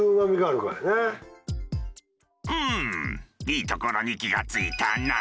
いいところに気が付いたな！